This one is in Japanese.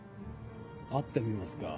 会ってみますか？